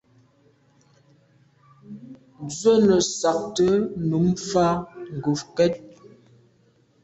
Nzwe nesagte num mfà ngokèt.